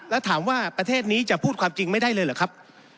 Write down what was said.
แล้วถามว่าประเทศนี้จะพูดความจริงไม่ได้เลยเหรอครับ